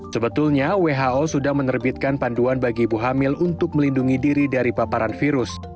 sebetulnya who sudah menerbitkan panduan bagi ibu hamil untuk melindungi diri dari paparan virus